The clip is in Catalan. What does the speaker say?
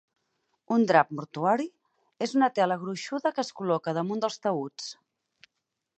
Un "drap mortuori" és una tela gruixuda que es col·loca damunt dels taüts.